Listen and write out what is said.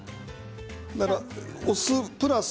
お酢プラス